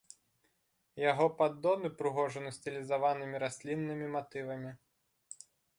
Яго паддон упрыгожаны стылізаванымі расліннымі матывамі.